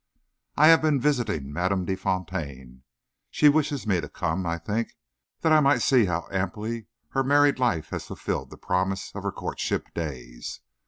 I have been visiting Madame De Fontaine. She wished me to come, I think, that I might see how amply her married life had fulfilled the promise of her courtship days.